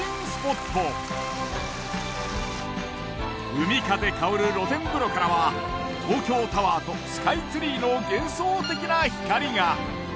海風薫る露天風呂からは東京タワーとスカイツリーの幻想的な光が。